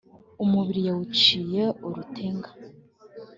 umubiri yawuciye urutenga.